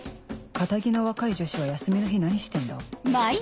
堅気の若い女子は休みの日何してんだ？